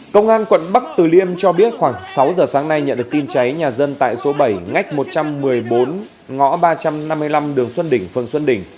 công an quận bắc từ liêm cho biết khoảng sáu giờ sáng nay nhận được tin cháy nhà dân tại số bảy ngách một trăm một mươi bốn ngõ ba trăm năm mươi năm đường xuân đỉnh phường xuân đỉnh